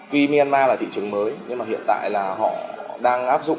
vì myanmar là thị trường mới nhưng mà hiện tại là họ đang áp dụng